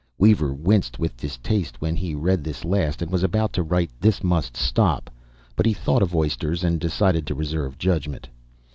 Weaver winced with distaste when he read this last, and was about to write, "This must stop." But he thought of oysters, and decided to reserve judgment.